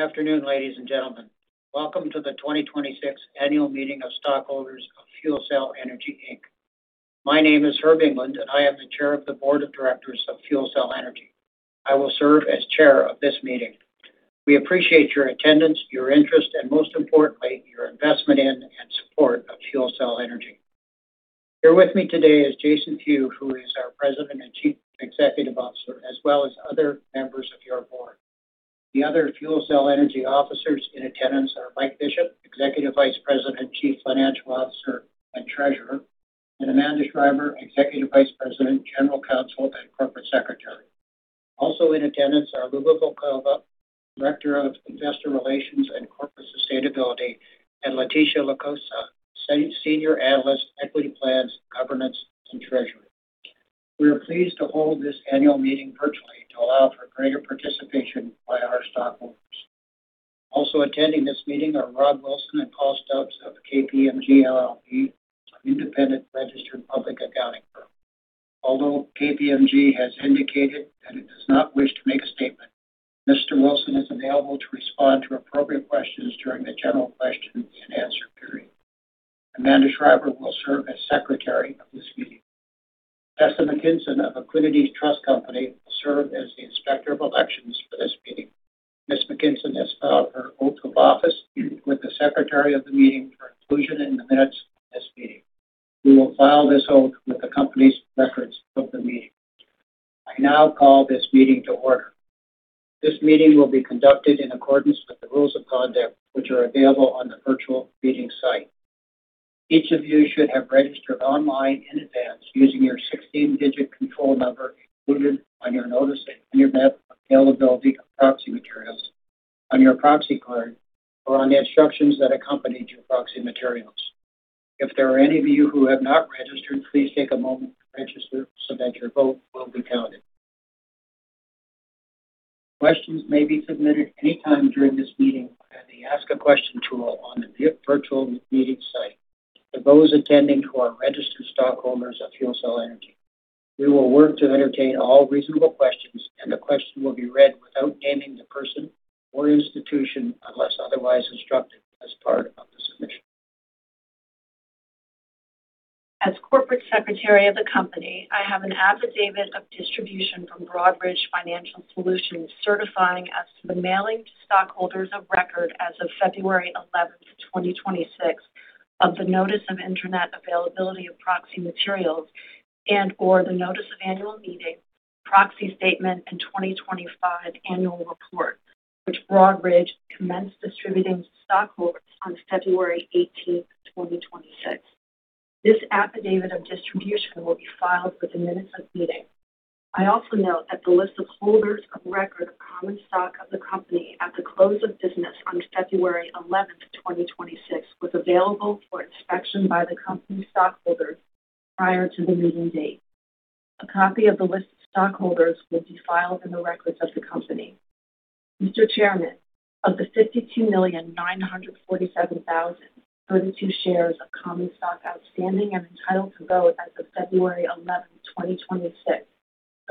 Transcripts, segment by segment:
Good afternoon, ladies and gentlemen. Welcome to the 2026 Annual Meeting of Stockholders of FuelCell Energy, Inc. My name is James H. England, and I am the Chair of the Board of Directors of FuelCell Energy. I will serve as Chair of this meeting. We appreciate your attendance, your interest, and most importantly, your investment in and support of FuelCell Energy. Here with me today is Jason Few, who is our President and Chief Executive Officer, as well as other members of your board. The other FuelCell Energy officers in attendance are Mike Bishop, Executive Vice President, Chief Financial Officer, and Treasurer, and Amanda Schreiber, Executive Vice President, General Counsel, and Corporate Secretary. Also in attendance are Liubov Volkova, Director of Investor Relations and Corporate Sustainability, and Leticia Licosa, Senior Analyst, Equity Plans, Governance, and Treasury. We are pleased to hold this annual meeting virtually to allow for greater participation by our stockholders. Also attending this meeting are Rod Wilson and Paul Stubbs of KPMG LLP, an independent registered public accounting firm. Although KPMG has indicated that it does not wish to make a statement, Mr. Wilson is available to respond to appropriate questions during the general question and answer period. Amanda Schreiber will serve as secretary of this meeting. Tessa MacKinson of Equiniti Trust Company will serve as the inspector of elections for this meeting. Ms. MacKinson has filed her oath of office with the secretary of the meeting for inclusion in the minutes of this meeting. We will file this oath with the company's records of the meeting. I now call this meeting to order. This meeting will be conducted in accordance with the rules of conduct, which are available on the virtual meeting site. Each of you should have registered online in advance using your 16-digit control number included on your Notice of Internet Availability of Proxy Materials, on your proxy card, or on the instructions that accompanied your proxy materials. If there are any of you who have not registered, please take a moment to register so that your vote will be counted. Questions may be submitted anytime during this meeting via the Ask a Question tool on the virtual meeting site for those attending who are registered stockholders of FuelCell Energy. We will work to entertain all reasonable questions, and the question will be read without naming the person or institution unless otherwise instructed as part of the submission. As corporate secretary of the company, I have an affidavit of distribution from Broadridge Financial Solutions certifying as to the mailing to stockholders of record as of February 11th, 2026, of the Notice of Internet Availability of Proxy Materials and/or the Notice of Annual Meeting Proxy Statement and 2025 Annual Report, which Broadridge commenced distributing to stockholders on February 18th, 2026. This affidavit of distribution will be filed with the minutes of meeting. I also note that the list of holders of record of common stock of the company at the close of business on February 11th, 2026, was available for inspection by the company stockholders prior to the meeting date. A copy of the list of stockholders will be filed in the records of the company. Mr. Chairman of the 52,947,032 shares of common stock outstanding and entitled to vote as of February 11,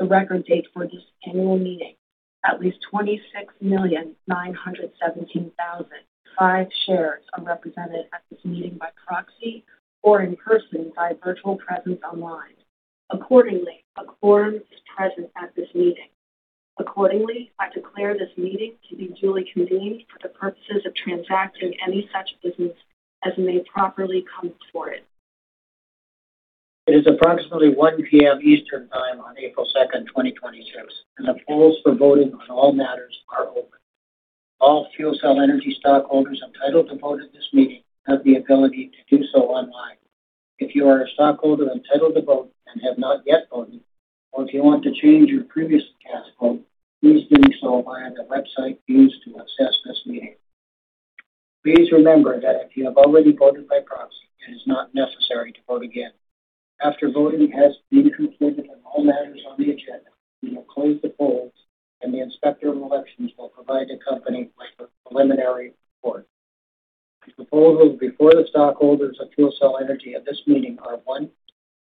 2026, the record date for this annual meeting, at least 26,917,005 shares are represented at this meeting by proxy or in person via virtual presence online. Accordingly, a quorum is present at this meeting. Accordingly, I declare this meeting to be duly convened for the purposes of transacting any such business as may properly come before it. It is approximately 1:00 P.M. Eastern time on April 2nd, 2026, and the polls for voting on all matters are open. All FuelCell Energy stockholders entitled to vote at this meeting have the ability to do so online. If you are a stockholder entitled to vote and have not yet voted, or if you want to change your previously cast vote, please do so via the website used to access this meeting. Please remember that if you have already voted by proxy, it is not necessary to vote again. After voting has been completed on all matters on the agenda, we will close the polls, and the inspector of elections will provide the company with a preliminary report. The proposals before the stockholders of FuelCell Energy at this meeting are, one,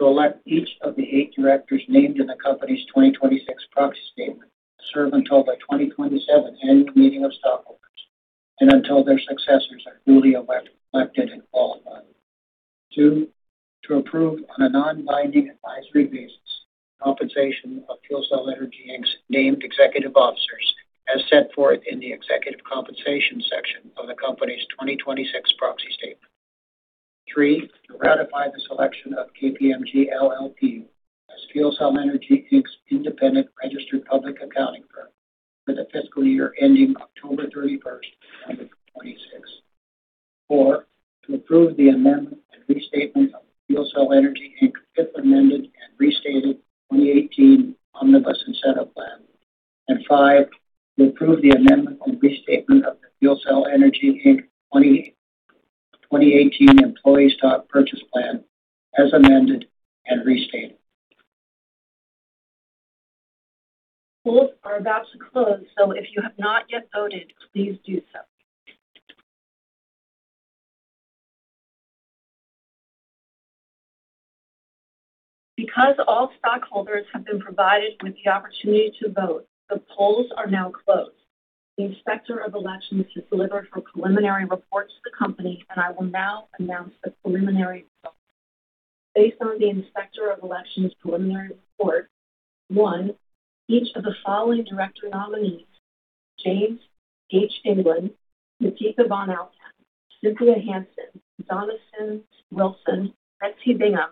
to elect each of the eight directors named in the company's 2026 proxy statement to serve until the 2027 Annual Meeting of Stockholders and until their successors are duly elected and qualified. Two, to approve on a non-binding advisory basis compensation of FuelCell Energy, Inc.'s named executive officers as set forth in the Executive Compensation section of the company's 2026 proxy statement. Three, to ratify the selection of KPMG LLP as FuelCell Energy, Inc.'s independent registered public accounting firm for the fiscal year ending October 31st, 2026. Four, to approve the amendment and restatement of the FuelCell Energy, Inc. Fifth Amended and Restated 2018 Omnibus Incentive Plan. Five, to approve the amendment and restatement of the FuelCell Energy, Inc. 2018 Employee Stock Purchase Plan as amended and restated. Polls are about to close, so if you have not yet voted, please do so. Because all stockholders have been provided with the opportunity to vote, the polls are now closed. The Inspector of Elections has delivered her preliminary report to the company, and I will now announce the preliminary results. Based on the Inspector of Elections preliminary report, one, each of the following director nominees, James H. England, Natica von Althann, Cynthia Hansen, Jonathan Wilson, Betsy Bingham,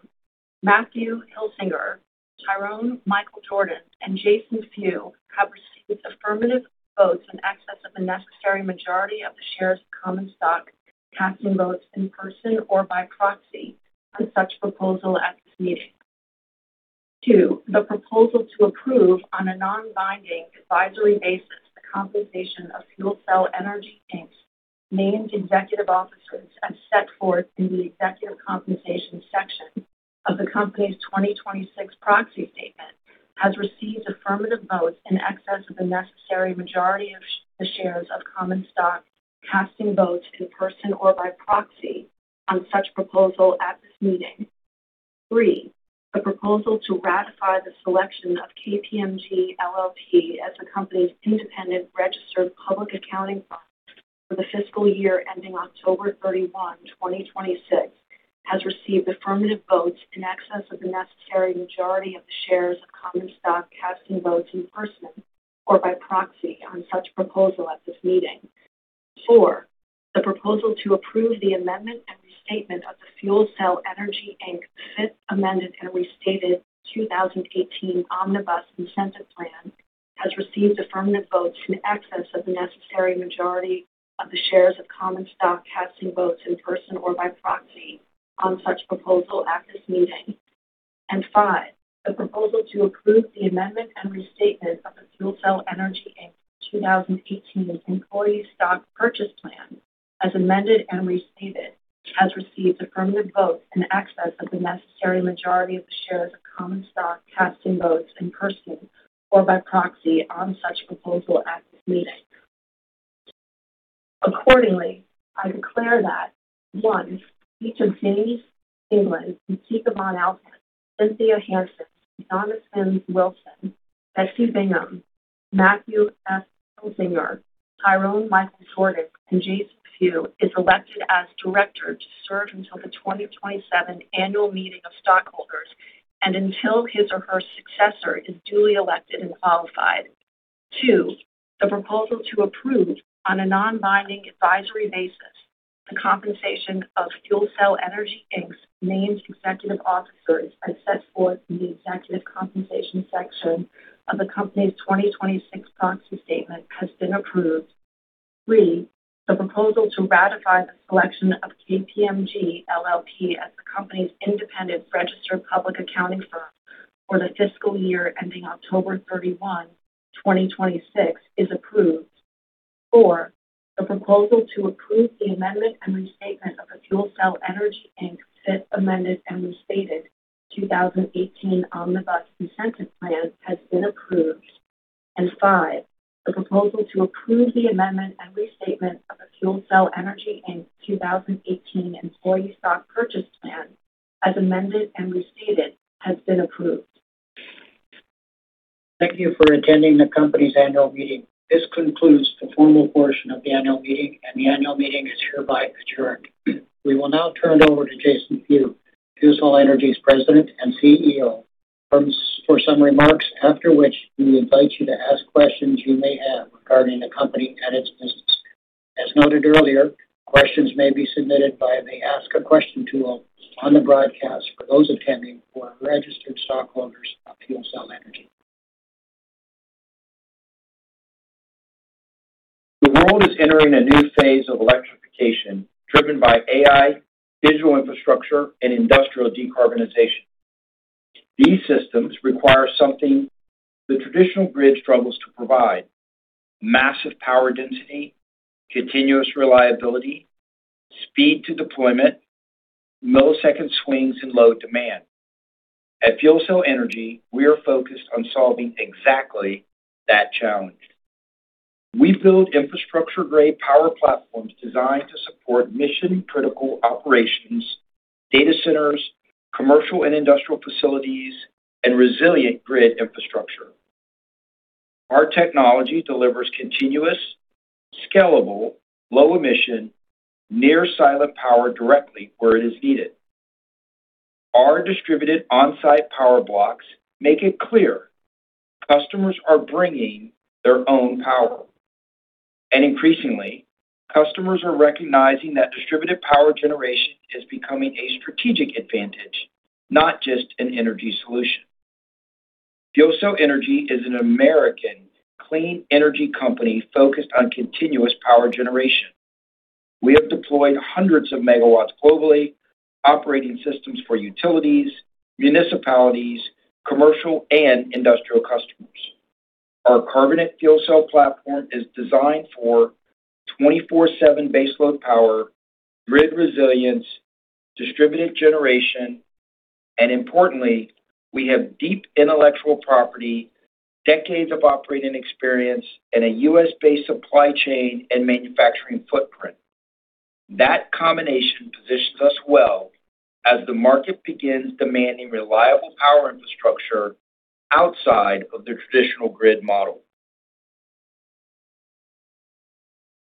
Matthew Hilzinger, Tyrone Michael Jordan, and Jason Few, have received affirmative votes in excess of the necessary majority of the shares of common stock, casting votes in person or by proxy on such proposal at this meeting. Two, the proposal to approve on a non-binding advisory basis the compensation of FuelCell Energy, Inc.'s named executive officers as set forth in the Executive Compensation section of the Company's 2026 Proxy Statement has received affirmative votes in excess of the necessary majority of the shares of common stock casting votes in person or by proxy on such proposal at this meeting. Three, the proposal to ratify the selection of KPMG LLP as the Company's independent registered public accounting firm for the fiscal year ending October 31, 2026, has received affirmative votes in excess of the necessary majority of the shares of common stock casting votes in person or by proxy on such proposal at this meeting. Four, the proposal to approve the amendment and restatement of the FuelCell Energy, Inc. Fifth Amended and Restated 2018 Omnibus Incentive Plan has received affirmative votes in excess of the necessary majority of the shares of common stock casting votes in person or by proxy on such proposal at this meeting. Five the proposal to approve the amendment and restatement of the FuelCell Energy, Inc. 2018 Employee Stock Purchase Plan, as amended and restated, has received affirmative votes in excess of the necessary majority of the shares of common stock casting votes in person or by proxy on such proposal at this meeting. Accordingly, I declare that, one, each of James England, Natica von Althann, Cynthia Hansen, Jonathan Wilson, Betsy Bingham, Matthew S. Hilzinger, Tyrone Michael Jordan, and Jason Few is elected as director to serve until the 2027 annual meeting of stockholders and until his or her successor is duly elected and qualified. Two, the proposal to approve on a non-binding advisory basis the compensation of FuelCell Energy, Inc.'s named executive officers as set forth in the Executive Compensation section of the Company's 2026 Proxy Statement has been approved. Three, the proposal to ratify the selection of KPMG LLP as the Company's independent registered public accounting firm for the fiscal year ending October 31, 2026, is approved. Four, the proposal to approve the amendment and restatement of the FuelCell Energy, Inc. Fifth Amended and Restated 2018 Omnibus Incentive Plan has been approved. Five, the proposal to approve the amendment and restatement of the FuelCell Energy, Inc. 2018 Employee Stock Purchase Plan as amended and restated has been approved. Thank you for attending the company's annual meeting. This concludes the formal portion of the annual meeting, and the annual meeting is hereby adjourned. We will now turn it over to Jason Few, FuelCell Energy's President and CEO, for some remarks, after which we invite you to ask questions you may have regarding the company and its business. As noted earlier, questions may be submitted via the Ask a Question tool on the broadcast for those attending who are registered stockholders of FuelCell Energy. The world is entering a new phase of electrification driven by AI, digital infrastructure, and industrial decarbonization. These systems require something the traditional grid struggles to provide, massive power density, continuous reliability, speed to deployment, millisecond swings in load demand. At FuelCell Energy, we are focused on solving exactly that challenge. We build infrastructure-grade power platforms designed to support mission-critical operations, data centers, commercial and industrial facilities, and resilient grid infrastructure. Our technology delivers continuous, scalable, low-emission, near-silent power directly where it is needed. Our distributed on-site power blocks make it clear customers are bringing their own power. Increasingly, customers are recognizing that distributed power generation is becoming a strategic advantage, not just an energy solution. FuelCell Energy is an American clean energy company focused on continuous power generation. We have deployed hundreds of megawatts globally, operating systems for utilities, municipalities, commercial, and industrial customers. Our carbonate fuel cell platform is designed for 24/7 baseload power, grid resilience, distributed generation, and importantly, we have deep intellectual property, decades of operating experience, and a U.S.-based supply chain and manufacturing footprint. That combination positions us well as the market begins demanding reliable power infrastructure outside of the traditional grid model.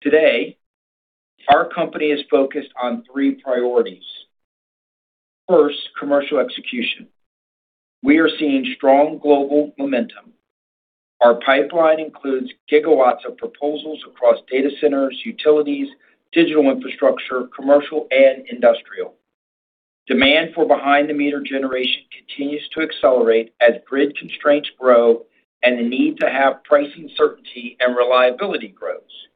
Today, our company is focused on three priorities. First, commercial execution. We are seeing strong global momentum. Our pipeline includes gigawatts of proposals across data centers, utilities, digital infrastructure, commercial, and industrial. Demand for behind-the-meter generation continues to accelerate as grid constraints grow and the need to have pricing certainty and reliability grows.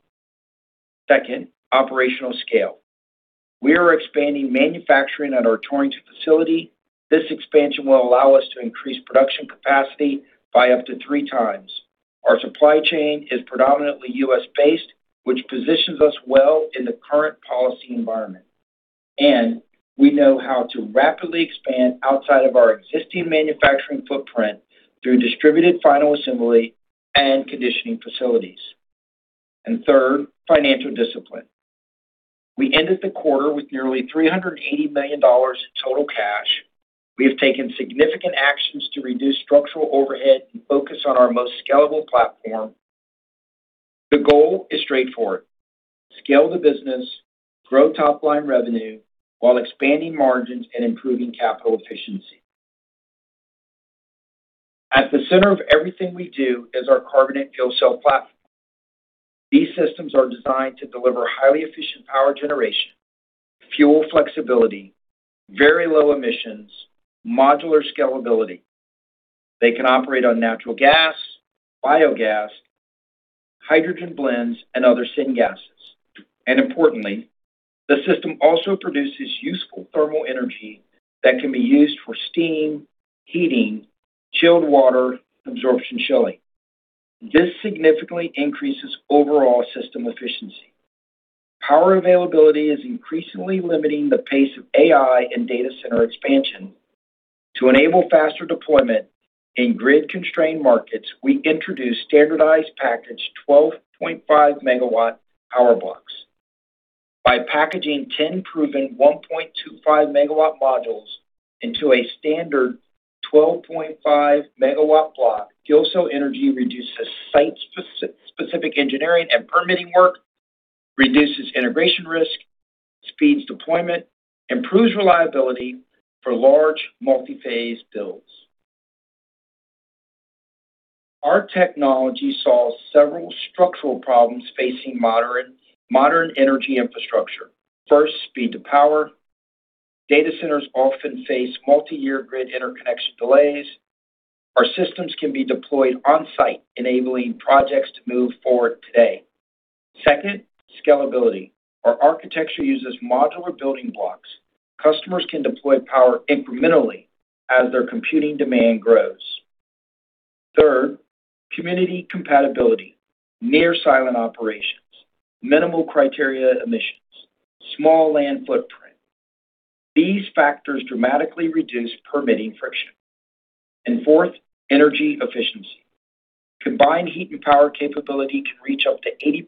Second, operational scale. We are expanding manufacturing at our Torrington facility. This expansion will allow us to increase production capacity by up to three times. Our supply chain is predominantly U.S.-based, which positions us well in the current policy environment. We know how to rapidly expand outside of our existing manufacturing footprint through distributed final assembly and conditioning facilities. Third, financial discipline. We ended the quarter with nearly $380 million in total cash. We have taken significant actions to reduce structural overhead and focus on our most scalable platform. The goal is straightforward: scale the business, grow top-line revenue while expanding margins and improving capital efficiency. At the center of everything we do is our Carbonate Fuel Cell platform. These systems are designed to deliver highly efficient power generation, fuel flexibility, very low emissions, modular scalability. They can operate on natural gas, biogas, hydrogen blends, and other syngases. Importantly, the system also produces useful thermal energy that can be used for steam, heating, chilled water, absorption chilling. This significantly increases overall system efficiency. Power availability is increasingly limiting the pace of AI and data center expansion. To enable faster deployment in grid-constrained markets, we introduce standardized packaged 12.5 MW power blocks. By packaging 10 proven 1.25 MW modules into a standard 12.5 MW block, FuelCell Energy reduces site-specific engineering and permitting work, reduces integration risk, speeds deployment, improves reliability for large multi-phase builds. Our technology solves several structural problems facing modern energy infrastructure. First, speed to power. Data centers often face multi-year grid interconnection delays. Our systems can be deployed on-site, enabling projects to move forward today. Second, scalability. Our architecture uses modular building blocks. Customers can deploy power incrementally as their computing demand grows. Third, community compatibility. Near-silent operations, minimal carbon emissions, small land footprint. These factors dramatically reduce permitting friction. Fourth, energy efficiency. Combined heat and power capability can reach up to 80%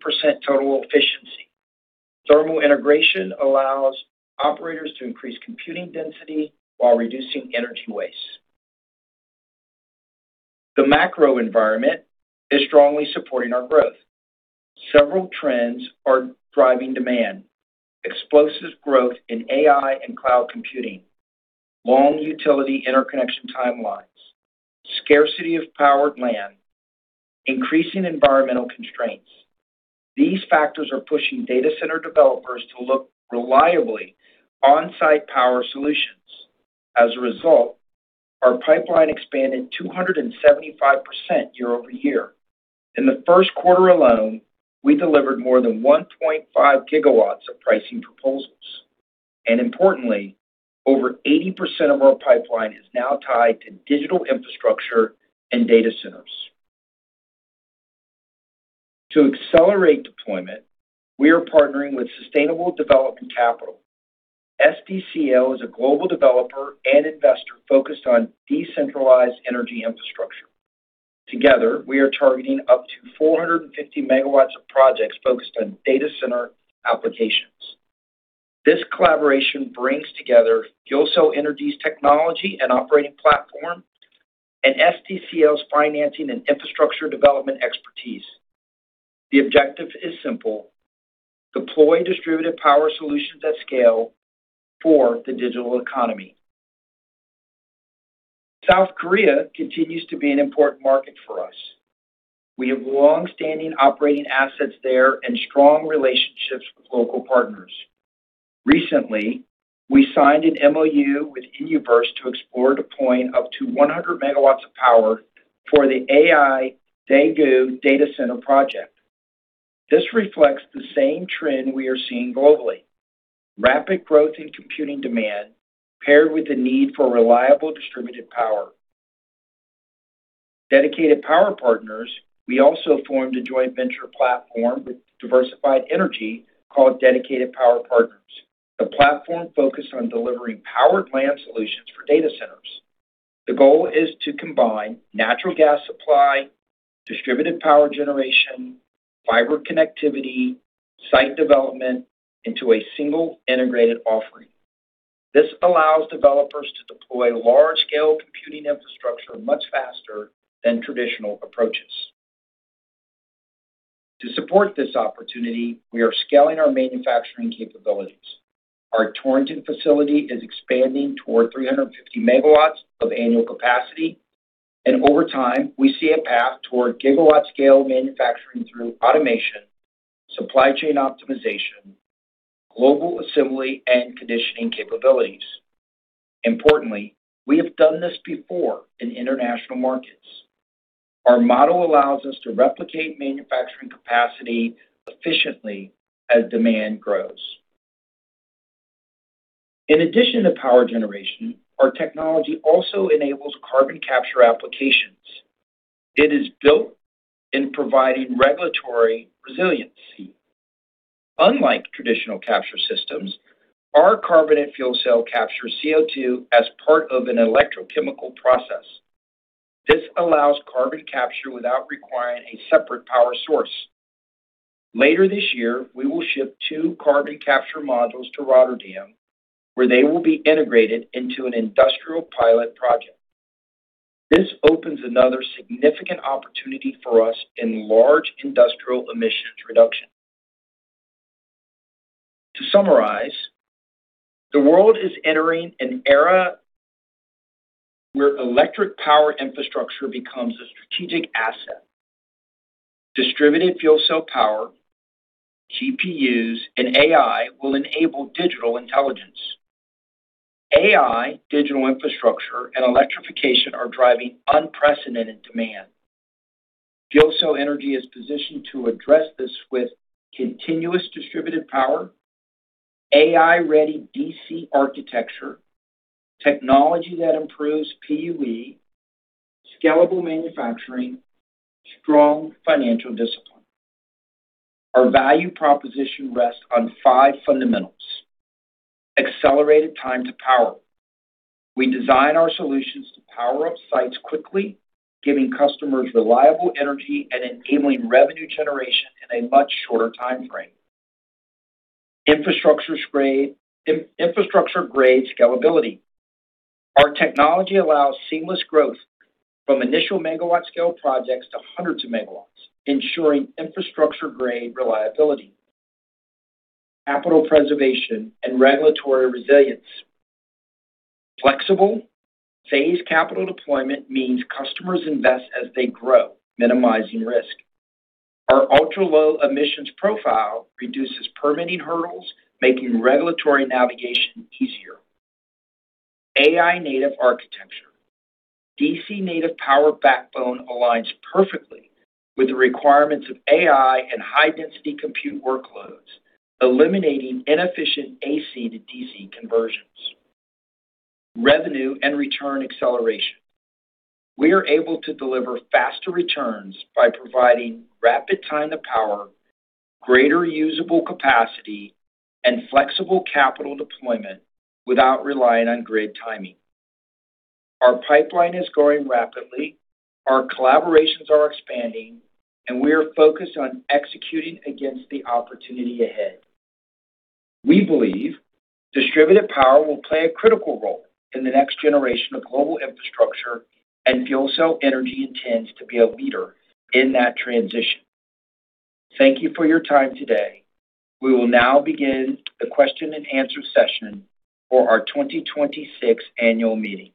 total efficiency. Thermal integration allows operators to increase computing density while reducing energy waste. The macro environment is strongly supporting our growth. Several trends are driving demand, explosive growth in AI and cloud computing, long utility interconnection timelines, scarcity of powered land, increasing environmental constraints. These factors are pushing data center developers to look for reliable on-site power solutions. As a result, our pipeline expanded 275% year-over-year. In the first quarter alone, we delivered more than 1.5 GW of pricing proposals. Importantly, over 80% of our pipeline is now tied to digital infrastructure and data centers. To accelerate deployment, we are partnering with Sustainable Development Capital. SDCL is a global developer and investor focused on decentralized energy infrastructure. Together, we are targeting up to 450 MW of projects focused on data center applications. This collaboration brings together Gilso Energy's technology and operating platform and SDCL's financing and infrastructure development expertise. The objective is simple: deploy distributed power solutions at scale for the digital economy. South Korea continues to be an important market for us. We have long-standing operating assets there and strong relationships with local partners. Recently, we signed an MOU with Inuverse to explore deploying up to 100 MW of power for the AI Daegu Data Center project. This reflects the same trend we are seeing globally. Rapid growth in computing demand paired with the need for reliable distributed power. Dedicated Power Partners, we also formed a joint venture platform with Diversified Energy called Dedicated Power Partners. A platform focused on delivering power and land solutions for data centers. The goal is to combine natural gas supply, distributed power generation, fiber connectivity, site development into a single integrated offering. This allows developers to deploy large-scale computing infrastructure much faster than traditional approaches. To support this opportunity, we are scaling our manufacturing capabilities. Our Torrington facility is expanding toward 350 MW of annual capacity, and over time, we see a path toward gigawatt-scale manufacturing through automation, supply chain optimization, global assembly, and conditioning capabilities. Importantly, we have done this before in international markets. Our model allows us to replicate manufacturing capacity efficiently as demand grows. In addition to power generation, our technology also enables carbon capture applications. It is built in providing regulatory resiliency. Unlike traditional capture systems, our carbonate fuel cell captures CO2 as part of an electrochemical process. This allows carbon capture without requiring a separate power source. Later this year, we will ship two carbon capture modules to Rotterdam, where they will be integrated into an industrial pilot project. This opens another significant opportunity for us in large industrial emissions reduction. To summarize, the world is entering an era where electric power infrastructure becomes a strategic asset. Distributed fuel cell power, GPUs, and AI will enable digital intelligence. AI, digital infrastructure, and electrification are driving unprecedented demand. FuelCell Energy is positioned to address this with continuous distributed power, AI-ready DC architecture, technology that improves PUE, scalable manufacturing, strong financial discipline. Our value proposition rests on five fundamentals. Accelerated time to power. We design our solutions to power up sites quickly, giving customers reliable energy and enabling revenue generation in a much shorter timeframe. Infrastructure-grade scalability. Our technology allows seamless growth from initial megawatt-scale projects to hundreds of megawatts, ensuring infrastructure-grade reliability, capital preservation, and regulatory resilience. Flexible phased capital deployment means customers invest as they grow, minimizing risk. Our ultra-low emissions profile reduces permitting hurdles, making regulatory navigation easier. AI-native architecture. DC-native power backbone aligns perfectly with the requirements of AI and high-density compute workloads, eliminating inefficient AC to DC conversions. Revenue and return acceleration. We are able to deliver faster returns by providing rapid time to power, greater usable capacity, and flexible capital deployment without relying on grid timing. Our pipeline is growing rapidly, our collaborations are expanding, and we are focused on executing against the opportunity ahead. We believe distributed power will play a critical role in the next generation of global infrastructure, and FuelCell Energy intends to be a leader in that transition. Thank you for your time today. We will now begin the question and answer session for our 2026 annual meeting.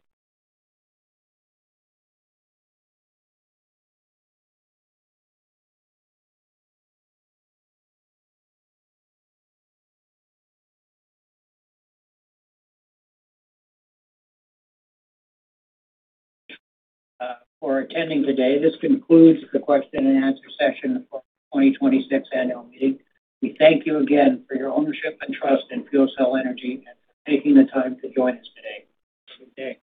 Thank you for attending today. This concludes the question and answer session for the 2026 annual meeting. We thank you again for your ownership and trust in FuelCell Energy and for taking the time to join us today. Have a good day.